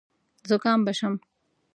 زکام به شم .